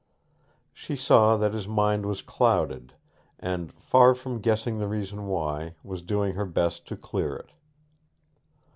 She saw that his mind was clouded, and, far from guessing the reason why, was doing her best to clear it.